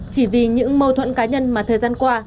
chỉ vì những mâu thuẫn cá nhân mà thời gian qua